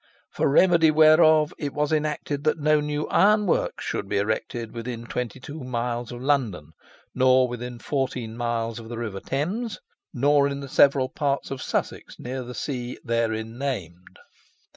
"For remedy whereof it was enacted that no new iron works should be erected within twenty two miles of London nor within fourteen miles of the river Thames, nor in the several parts of Sussex near the sea therein named.